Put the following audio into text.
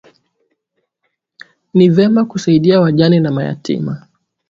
Ni vema kusaidia wajane na mayatima